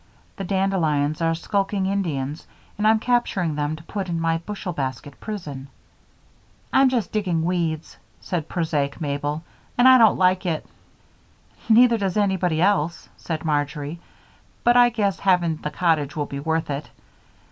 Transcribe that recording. The dandelions are skulking Indians, and I'm capturing them to put in my bushel basket prison." "I'm just digging weeds," said prosaic Mabel, "and I don't like it." "Neither does anybody else," said Marjory, "but I guess having the cottage will be worth it.